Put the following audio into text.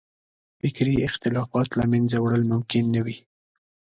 فکري اختلافات له منځه وړل ممکن نه وي.